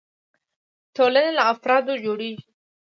ټولنې له افرادو جوړيږي.